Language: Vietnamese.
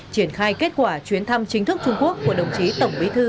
triển khai kết quả chuyến thăm chính thức trung quốc của đồng chí tổng bí thư